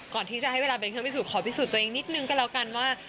ก่อนที่จะให้เวลาเป็นเครื่องพิสูขอพิสูจน์ตัวเองนิดนึงก็แล้วกันว่า